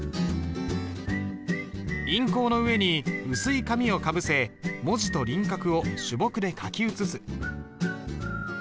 印稿の上に薄い紙をかぶせ文字と輪郭を朱墨で書き写す。